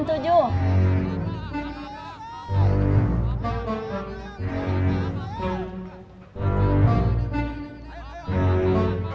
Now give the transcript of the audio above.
eh salah salah